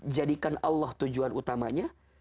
jadikan allah tujuan utamanya